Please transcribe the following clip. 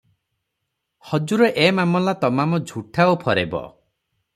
"ହଜୁର ଏ ମାମଲା ତମାମ ଝୁଠା ଓ ଫରେବ ।